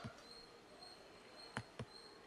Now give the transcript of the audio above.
He liked painting in his spare time.